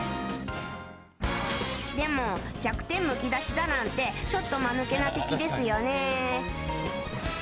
でも、弱点むき出しだなんてちょっと間抜けな敵ですよね。